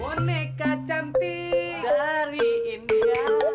boneka cantik dari india